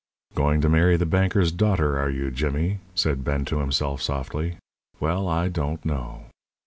"Going to marry the banker's daughter are you, Jimmy?" said Ben to himself, softly. "Well, I don't know!"